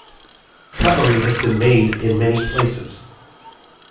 Cutlery has been made in many places.